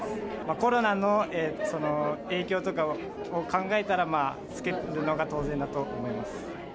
コロナの影響とかを考えたら、まあ、着けるのが当然だと思います。